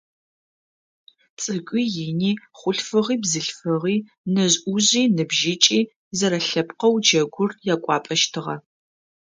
Цӏыкӏуи ини, хъулъфыгъи бзылъфыгъи, нэжъ-ӏужъи ныбжьыкӏи - зэрэлъэпкъэу джэгур якӏуапӏэщтыгъэ.